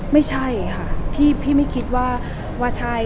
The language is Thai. ไม่ใช่ค่ะพี่ไม่คิดว่าใช่